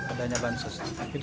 adanya bahan sos itu